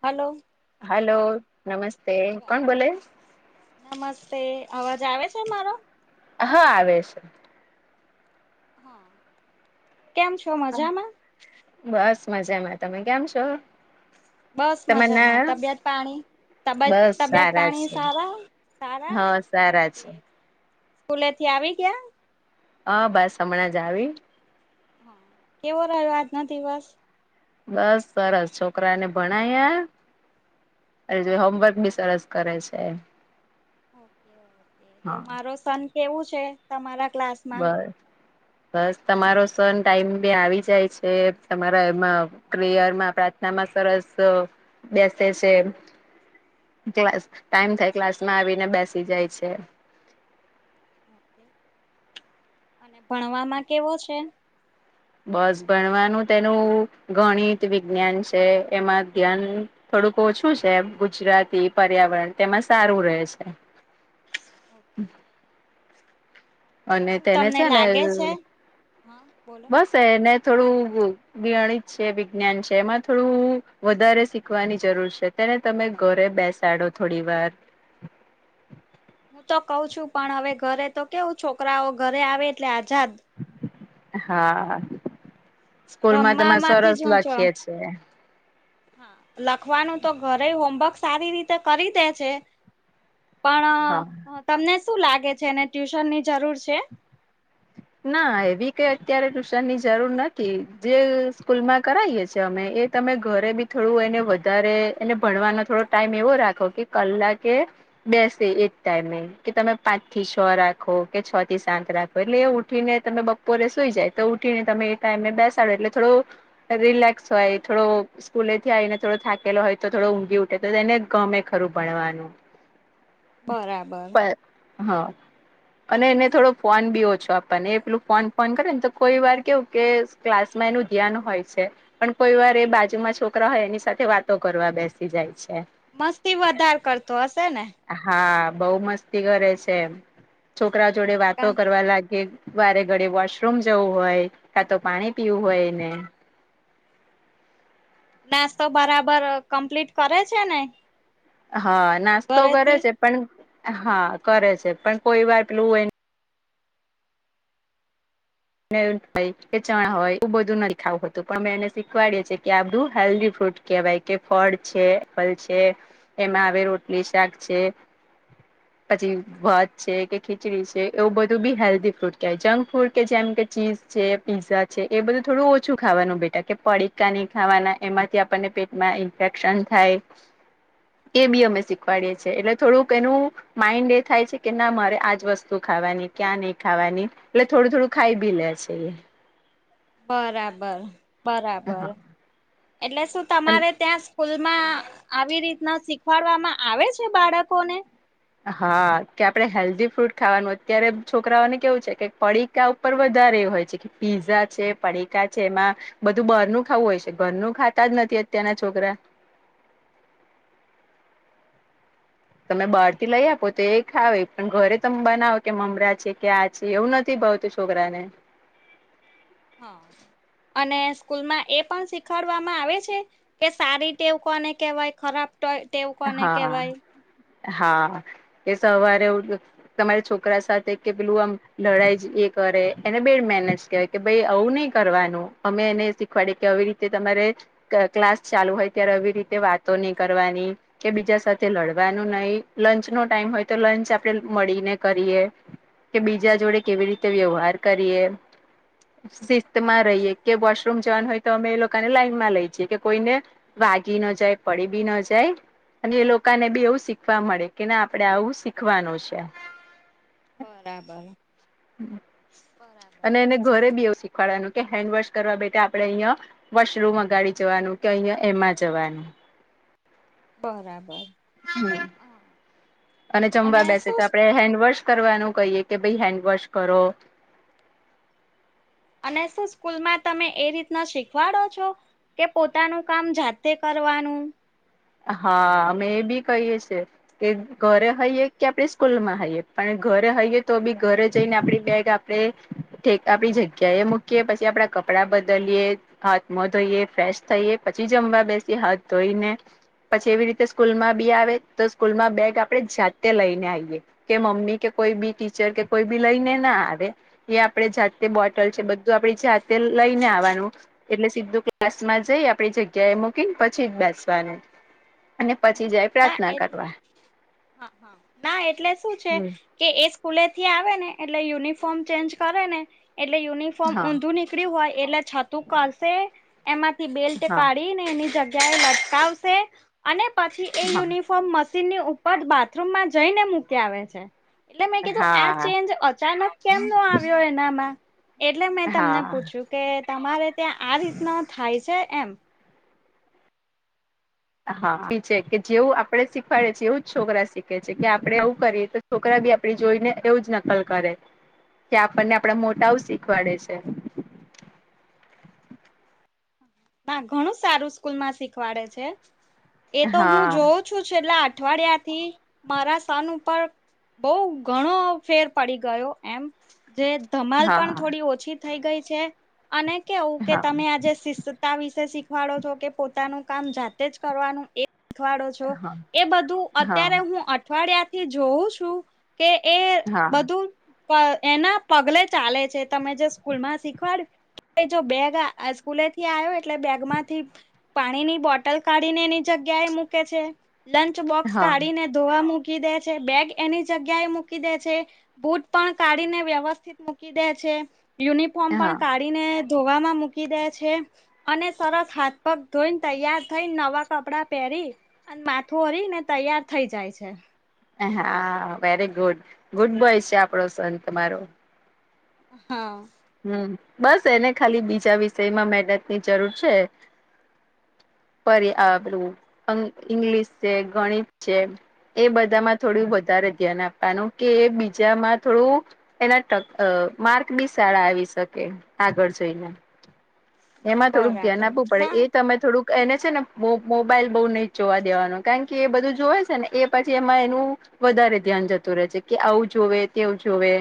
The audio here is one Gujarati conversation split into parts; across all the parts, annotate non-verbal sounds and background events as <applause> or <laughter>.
હલો. હલો નમસ્તે, કોણ બોલે? નમસ્તે, અવાજ આવે છે મારો? હા આવે છે. કેમ છો મજામાં? બસ મજામાં, તમે કેમ છો? બસ તમાર મજામાં, ના તબિયત પાણી? તબે બસ તબિયત સારા પાણી છે. સારા સારા હા સારા ઓકે. છે સ્કૂલેથી આવી ગયાં? હ બસ હમણાં જ આવી. હા, કેવો રહ્યો આજનો દિવસ? બસ સરસ છોકરાને ભણાયા? અરે જો હોમવર્ક બી સરસ કરે છે. તો હા મારો સન કેવું છે તમારાં ક્લાસ બસ બસ તમારો સન ટાઈમે આવી જાય છે તમારાં એમાં પ્રેયરમાં પ્રાર્થનામાં સરસ બેસે છે. ક્લાસ ટાઈમ થાય ક્લાસમાં આવીને બેસી જાય છે. <inaudible> અને ભણવામાં કેવો છે? બસ ભણવાનું તેનું ગણિત, વિજ્ઞાન છે એમાં ધ્યાન થોડુંક ઓછું છે ગુજરાતી, પર્યાવરણ તેમાં સારું રહે છે. ઓકે. તો અને શું તેને તમને છે ને લાગે છે હા બોલો. શે ને થોડું ગણિત છે, વિજ્ઞાન છે એમાં થોડું વધારે શીખવાની જરૂર છે. તેને તમે ઘરે બેસાડો થોડીવાર. હું તો કઉ છું, પણ હવે ઘરે તો કેવું છોકરાઓ ઘરે આવે, એટલે આઝાદ હા, સ્કૂલમાં તમે રમવામાંથી જ સરસ હું છું લખીએ છે. લખવાનું તો, ઘરે હોમવર્ક સારી રીતે કરી દે છે. હા પણ તમને શું લાગે છે? એને ટ્યુશન ની જરૂર છે? ના, એવી કઈ અત્યારે ટ્યુશન ની જરૂર નથી, જે સ્કૂલમાં કરાવએ, અમે એ તમે ઘરે બી થોડું એને વધારે એને ભણવાનો થોડો ટાઈમ એવો રાખો કે કલાકે. બેસે એ ટાઈમે કે તમે પાંચ થી છ રાખો કે છ થી સાત રાખો? એટલે ઉઠીને, તમે બપોરે સુઈ જાય તો, ઉઠીને તમે એ ટાઈમેને બેસાડો એટલે થોડો. રિલેક્સ હોય, થોડો. સ્કૂલે થી આવીને, થોડો થાકેલો હોય, તો થોડો ઊંઘી ઉઠે તો એને ગમે ખરું ભણવાનું. બરાબર. હ, અને એને થોડો ફોન. બો છે, આપણને એ પેલું ફોન ફોન કરે ને, તો કોઈ વાર કેવું કે ક્લાસમાં એનું ધ્યાન હોય છે. પણ કોઈ વાર એ બાજુમાં છોકરા હોય, એની સાથે વાતો કરવા બેસી જાય છે. મસ્તી વધાર કરતો હશે ને. હા, બઉ મસ્તી કરે છે, એમ છોકરા જોડે વાતો. લાગે, વારે ઘડે વોશરૂમ જવું હોય, કા તો પાણી પીવું હોય ને. નાસ્તો બરાબર કમ્પ્લીટ કરે છે ને? હા, નાસ્તો કરે ઘરેથી છે, પણ હા કરે છે, પણ કોઈ વાર પેલું હોય. હોય કે, ચણા હોય, એ બધું નથી ખાવું હતું, પણ મેં એને શીખવાડયે છે કે આ બધું હેલ્દી ફ્રૂટ. કેહેવાય કે, ફળ છે, ફળ છે, એમાં આવે, રોટની શાક છે. <unintelligible> પછી ભાત છે, કે ખીચડી છે, એવું બધું બી હેલ્ધી ફૂડ કહેવાય, જંક ફૂડ કે જેમ. કે ચીઝ છે, પીઝા છે, એ બધું થોડું ઓછું ખાવાનું બેટાટા કે, પડીકા નહી ખાવાના, એમાંથી આપણને પે માં ઇન્ફેક્શન થાય. <inaudible> એ બી અમે શીખવાડીએ છીએ, એટલે થોડુંક એનું. માઇન્ડ એ થાય છે કે, ના મારે આજ વસ્તુ ખાવાની ક્યાં નહી ખાવાની, એટલે થોડું થોડું. ખાઈ ભી લે છે. બરાબર, બરાબર. હા એટલે શું? તમારે ત્યાં સ્કૂલમાં. આવી રીતના શીખવાડવામાં આવે છે? બાળકો ને. હા, કે આપડે હેલ્ધી ફ્રૂટ ખાવાનું, અત્યારે છોકરાઓને કેવું છે, કે પડીકા ઉપર વધારે એ હોય છે, કે પીઝા છે, પડીકા છે, એમાં બધું બહારનું ખાવું હોય છે, ઘરનું ખાતા જ નથી, અત્યારના છોકરા. તમે બહાર થી લઈ આપો, તો એ ખાવે, પણ ઘરે તમે બનાવો, કે મમરા છે, કે આ એવું નથી ભાવતું, છોકરા ને. હા, અને સ્કૂલમાં એ પણ શીખડવામાં આવે છે. કે સારી ટેવ કોને કહેવાય? ખરાબ તો તે. હા, હા, એ સવારે ઉઠીને. તમારા છોકરા સાથે કે પેલું આમ લડાઈ એ કરે, એને બેડ મેનેજ કેવાય. ભાઈ, આવું નઈ કરવાનું, અમે એને શીખવાડે કે, આવી રીતે તમારે ક્લાસ ચાલુ હોય, ત્યારે આવી રીતે વાતો નહીં કરવાની. કે બીજા સાથે લડવાનું નહી, લંચ નો ટાઈમ હોય, તો લંચ આપે મળીને કરીએ. કે બીજા જોડે કેવી રીતે વ્યવહાર કરીએ. શિસ્ત માં રહીએ કે, વોશરૂમ જવાન હોય, તો અમે એ લોકોને લાઈનમાં લઈ જઈએ, કે કોઈને વાગી ન જાય, પડી બી ની જાય. અને એ લોકોને બી એવું શીખવા મળે, કે ના આપડે આવું શીખવાનું છે. બરાબર, બરાબર. અને એને ઘરે બી એવું શીખવાડવાનું કે હેન્ડ વોશ કરવા બેઠ આપડે અહિયાં વોશરૂમ અગાડી જવાનું કે અહં એમાં જવાનું બરાબર હા <unintelligible> હા <unintelligible> અને જમવા બેસે તો આપડણે હેન્ડવોશ કરવાનું કહીએ કે ભાઈ હેન્ડવોશ કરો અને શું સ્કૂલમાં તમે એ રીતના શીખવાડો છો. કે પોતાનું કામ જાતે કરવાનું હા અમે એ બી કહીએ છ છેીએ કે ઘરે હઈએ કે આપે સ્કૂલ માં હઈએ પણ ઘરે હઈયએ તો બી ઘરે જઈને આપડી બેગ આપ મૂકીએ પછી આપડા કપડા બદલીએ હાથ મો ધોઈએ ફ્રેશ થઈ પછી જમવા બેસીએ હાથ ધોઈને પછી એવી રીતે સ્કૂલ માં બી આવે તો સ્કૂલ માં બેગ આપડે જાતે લઈને આવીએ કે મમ્મી કે કોઈ બી ટીચર કે કોઈ બી લઈને ના આવે એ આપડે જાતે હા બોટલ છે બધું આપડી જાતે લઈને આવવાનું. એટલે સીધું ક્લાસ માં જઈ આપણી જગ્યા એ મૂકીને પછી જ બેસવાનું અને હમ પછી જાય ના પ્રાર્થના એટલે કરવા હ હા ના એટલે શું છે. હમ કે એ સ્કૂલે થી આવે ને એટલે યુનિફોર્મ ચેન્જ કરે ને એટલે યુનિફોર્મ હા ઊધુ નની હોય એટલે છતું કશે એમાંથી બેલ્ટ હા કાઢી ને એની જગ્યા જગ્યા લટકાવશે અને પછી હા તો મશીન ની ઉપર બાથરૂમમાં જઈને મૂકી આવે છે એટલે મેં કીધું આ ચેન્જ અચાનક કેમનો આવ્યો એનામાં એટલે મેં હા તમને હા પૂછ્યું કે તમારે ત્યાં આ રીતના થાય છે એમ હા પીછે કે જેવું આપડે શીખવાડે છે એવું જ છોકરા શીખે છે કે આપડે આવવું કરીએ તો છોકરા બી આપડી જોઈને એવું જ નકલ કરે કે આપણને આપડા મોટાઓ શીખવાડે છે. ના ઘણું સારું સ્કૂલમાં શીખવાડે છે એ તો હું હા જોઉ છુ છેલ્લા અઠવાડિયા થી મારા સન ઉપર બઉ ઘણો ફેર પડી ગયો એમ જે ધમાલ પણ હા થોડી ઓછી થઈ ગઈ છે અને કેવું હા કે હા તમે આજે શિસ્ વિશે શીખવાડો છો કે પોતાનું કામ જાતે જ કરવાનું શીખવાડો છો એ બધું હા અત્યારે હું અઠવાડિયાથી જોઉ છું. કે એ હા બધુ એના પગલે ચાલે છે તમે જે સ્કૂલ માં શીખવાડ્યું જો બેગ હ સ્કૂલે થી આવ્યો એટલે બેગ માંથી પાણી ની બોટલ કાઢી ને એની જગ્યા એ મૂકે છે. લંચ બોક્સ કાઢીને ધોવા મૂકી દે છે બેગ એની જગ્યાએ મૂકી દે છે. બૂટ પણ કાઢીને વ્યવસ્થિત મૂકીદે છે. યુનિફોર્મ હા પણ કાઢીને ધોવામાં મૂકીદે છે. અને સરસ હાથ પગ ધોઈને તૈયાર થઈને નવા કપડાં પહેરી અને માથું ઓરીને તૈયાર થઇ જાય છે. હા વેરી ગુડ બોય છે આપણો સન તમારો હા હમ બસ એને ખાલી બીજા વિષયમાં મહેનત ની જરૂર છે. પર આપરુ ઇંગ્લિશ છે ગણિત છે એ બધામાં થોડુ વધારે ધ્યાન આપવાનું કે બીજામાં થોડુ એના ટક માર્ક બી સારા આવી શકે આગળ જઈને એમાં થોડુક ધ્યાન બરાબર આપવું પડે ના એ તમે થોડુક એને છે ને મોબાઈલ બહુ નહી જોવા દેવાનો કારણ કે એ બધુ જોવે છે ને એ પછી એમા એનુ વધારે ધ્યાન જતું રહે છે કે આવું જોવે તેવ જોવે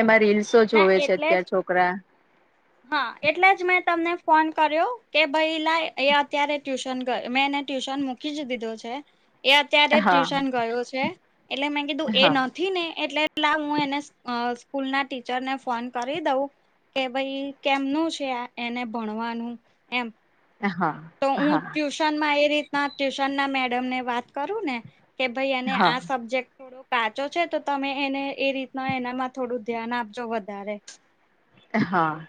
એમાં રીલ્સ શો ના જોવે છે એટલે જ અત્યારે છોકરા? હા એટલે જ મેં તમને ફોન કર્યો કે ભાઈ લાઇ અત્યારે ટ્યુશન મે એને ટ્યુશન મૂકી જ દીધો છે. એ અત્યારે હા ટ્યુશન ગયો છે એટલે મે કીધુ એ ન હા નથી ને એટલે લાવ હું એને સ્કૂલ ના ટી ટીચરને ફોન કરી દઉ કે ભઈ કેમનું છે એને ભણવાનું એમ. હા તો હું હા ટ્યુશનમાં એ રીતના ટ્યુશન ના મેડમને વાત કરું ને કે ભઈ એને હા આ સબ્જેક્ટ થોડો કાચો છે તો તમે એને એ રીતના એનામાં થોડું ધ્યાન આપજો વધારે. હા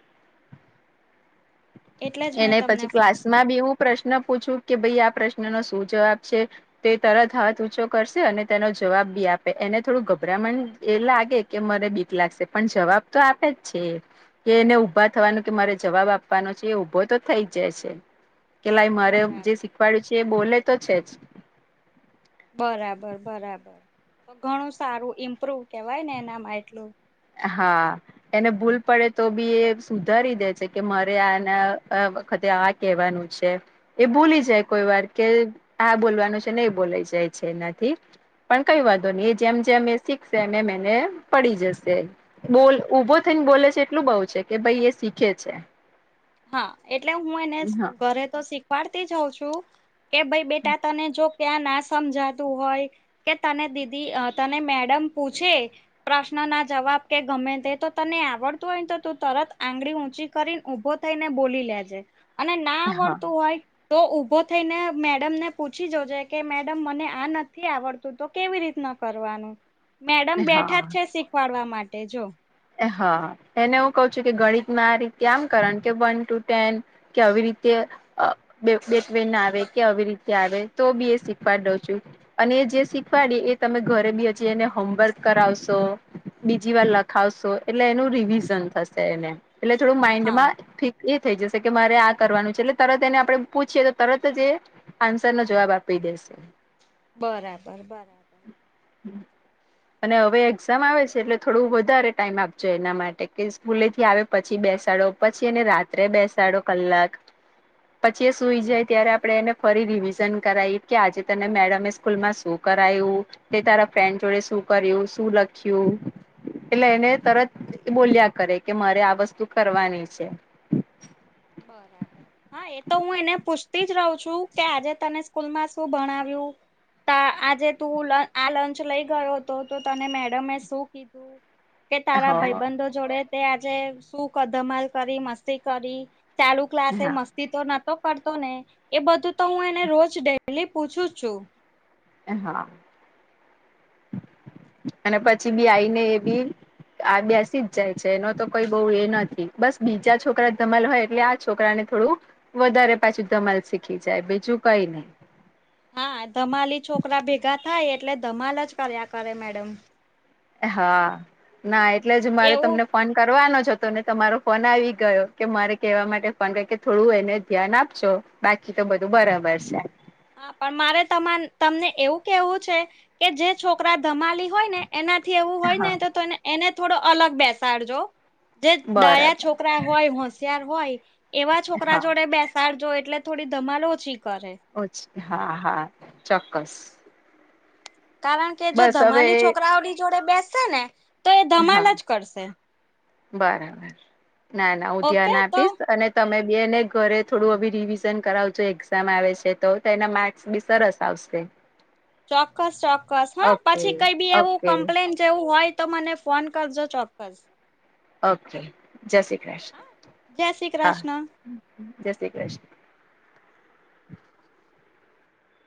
એટલે જ મેં એને તમને પછી ફોન ક્લાસ માં બી કર્યો એવું પ્રશ્ન પૂછું કે ભાઈ આ પ્રશ્ન નો શું જવાબ છે? તે તરત હાથ ઊંચો કરશે અને તેનો જવાબ બી આપે એને થોડું ગભરામણ એ લાગે. કે મને બીક લાગશે પણ જવાબ તો આપે જ છે કે એને ઉભા બસ થવાનો કે મારે જવાબ આપવાનો છે એ ઉભો તો થઈ જ જાય છે. કે લાઈ મારે જે બરાબર. શીખવાડ્યું છે એ બોલે તો છે જ બરાબર બરાબર તો ઘણું સારું ઇમ્પ્રુવ કેવાય ને એનામાં એટલું. હા એને ભૂલ પડે તો બી એ સુધારી દે છે કે મારે આના વખતે આ કેવાનું છે એ ભૂલી જાય હા કોઈ વાર. કે આ બોલવાનું છે નહી બોલાય જાય છે એનાથી. પણ કંઈ વાંધો નહી એ જેમ જેમ એ શીખશે એમ એમ એને પડી જશે. બોલ ઉભો થઈને બોલે છે એટલું બઉ છે કે ભાઈ એ શીખે છે. હા એટલે હું એને હા ઘરે તો શીખવાડતી જ હઉં છું કે ભાઈ બેટા તને જો ક્યાં ના સમજાતું હોય કે તને દીદી તને મેડમ પૂછે. પ્રશ્ન ના જવાબ કે ગમે તે તો તને આવડતું હોય ને તો તું તરત આંગળી ઊંચી કરીને ઉભો થઈને બોલી લેજે અને ના હા આવડતું હોય. તો ઊભો થઈને મેડમને પૂછી જોજે કે મેડમ મને આ નથી આવડતું. તો કેવી રીતના કરવાનું મેડમ હા બેઠા જ છે શીખવાડવા માટે જો હા એને હું કઉ છું કે ગણિતમાં આ રીતે આમ કરવાનુ કે વન ટુ ટેન. કે આવી રીતે બીટવીન આવે કે આવી રીતે આવે તો બી એ શીખવા દઉં છું. અને એ જે શીખવાડી એ તમે ઘરે બી હજી એને હોમવર્ક કરાવશો બીજી વાર લખ લખાવશો એટલે એનું રિવિઝન થશે એને એટલે થોડું હા માઈન્ડમાં ફિટ એ થઈ જશે કે મારે આ કરવાનું છે એટલે તરત એને આપડે પૂછીએ તો તરત જ એ આન્સર નો જવાબ આપી દેશે. બરાબર બરાબર અને હવે એક્ઝામ આવે છે એટલે થોડું વધારે ટાઈમ આપજો એના માટે કે સ્કૂલે થી આવે પછી બેસાડો પછી અને રાત રાત્રે બેસાડો કલાક. પછી એ સુઈ જાય ત્યારે આપણે એને ફરી રિવિઝન કરાવી કે આજે તને મેડમ એ સ્કૂલમાં શું? કરાયું તારા ફ્રેન્ડ જોડે શું કર્યું શું લખ્યું? એટલે એને તરત બોલ્યા કરે કે મારે આ વસ્તુ કરવાની છે. બરાબર હા એ તો હું એને પૂછતી જ રહું છું કે આજે તને સ્કૂલ માં શું ભણાવ્યું? આજે તું આ લંચ લઈ ગયો હતો તો તને મેડમે શું કીધું? કે હ તારા હા ભાઈબંધો જોડે તે આજે શું ધમાલ કરી, મસ્તી કરી. ચાલુ ક્લાસ મસ્તી તો નતો કરતો ને એ બધું તો હું એ રોજ ડેલી પૂછું છું. હા <unintelligible> અને પછી બી આઈને એ બી આ બેસી જ જાય છે એનો તો કોઈ બહુ એ નથી બસ બીજા છોકરા ધમાલ હોય એટલે આ છોકરા ને થોડું વધારે પાછું ધમાલ શીખી જાય બીજું કઈ નહી હા ધમાલી છોકરા ભેગા થાય એટલે ધમાલ જ કર્યા કરે મેડમ હા ના એટલે જ મારે એવું તમને ફોન કરવાનો જ હતો ને તમારો ફોન આવી ગયો કે મારે કેવા માટે ફોન કરુ કે થોડું એને ધ્યાન આપજો બાકી તો બધું બરાબર છે. હા પણ મારે તમને એવું કેવું છે કે જે છોકરા ધમાલી હોય ને એનાથી એવું હોય હા ને તો એને થોડો અલગ બેસાડજો જે ડાયા બરાબર છોકરા છોકરા હોય હોશિયાર હોય એવા છોકરા હા જોડે બેસ સાડ જો એટલે થોડી ધમાલ ઓછી કરે. ઓછી હા, હા ચોક્કસ. કારણ કે જો બસ હવે ધમાલી છોકરાઓની જોડે બેસશે ને તો એ હા ધમાલ જ કરશે. બરાબર ના ના હું ઓકે ધ્યાન તો આપીશ અને તમે બી એને ઘરે થોડું અવી રિવિઝન કરાવજો એક્ઝામ આવે છે તો તેના માર્ક્સ બી સરસ આવશે. ચોક્કસ ચોક્કસ હા ઓકે પછી કઈ બી એવું ઓકે કમ્પ્લેન કે એવું હોય તો મને ફોન કરજો, ચોક્કસ. ઓકે, જય શ્રી હા કૃષ્ણ. જય શ્રી હા કૃષ્ણ. જય શ્રી કૃષ્ણ.